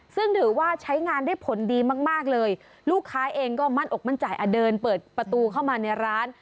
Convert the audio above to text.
ซึ่งถือว่าใช้งานได้ผลดีมากมากเลยลูกค้าเองก็มั่นอกมั่นใจอ่ะเดินเปิดประตูเข้ามาในร้าน